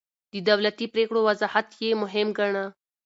د دولتي پرېکړو وضاحت يې مهم ګاڼه.